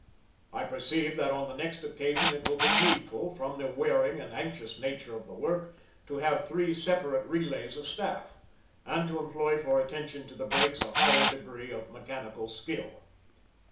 I perceive that on the next occasion it will be needful, from the wearing and anxious nature of the work, to have three separate relays of staff, and to employ for attention to the brakes a higher degree of mechanical skill.